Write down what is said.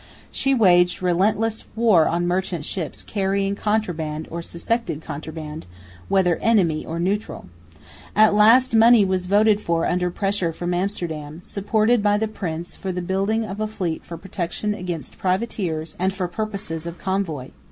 She waged relentless war on merchant ships carrying contraband or suspected contraband, whether enemy or neutral. At last money was voted under pressure from Amsterdam, supported by the prince, for the building of a fleet for protection against privateers and for purposes of convoy.